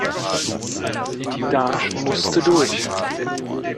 Da musste durch.